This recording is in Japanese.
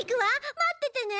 待っててね。